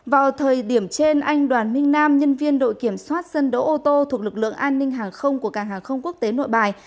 vào thời điểm trên anh đoàn minh nam nhân viên đội kiểm soát sân đỗ ô tô thuộc lực lượng an ninh hàng không của cảng hàng không quốc tế nội bài